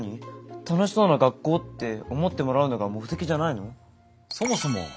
楽しそうな学校って思ってもらうのが目的じゃないの？